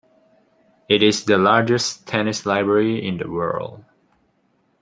It is the largest tennis library in the world.